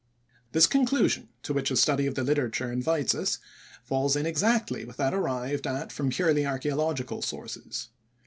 This conclusion, to which a study of the literature invites us, falls in exactly with that arrived at from purely archaeological sources.